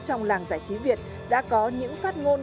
trong làng giải trí việt đã có những phát ngôn